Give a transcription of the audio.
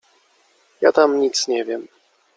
— Ja tam nic nie wiem…